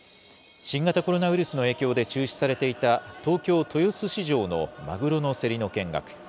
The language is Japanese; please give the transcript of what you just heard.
新型コロナウイルスの影響で中止されていた東京・豊洲市場のマグロの競りの見学。